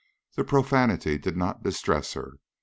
The profanity did not distress her.